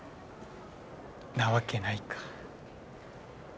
なわけないか。